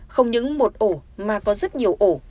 không những một ổ mà có rất nhiều ổ